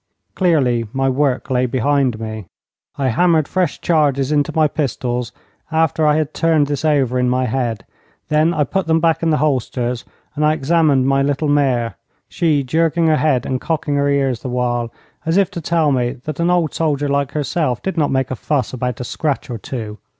Clearly, my work lay behind me. I hammered fresh charges into my pistols after I had turned this over in my head. Then I put them back in the holsters, and I examined my little mare, she jerking her head and cocking her ears the while, as if to tell me that an old soldier like herself did not make a fuss about a scratch or two.